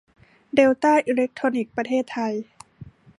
เดลต้า อีเลคโทรนิคส์ ประเทศไทย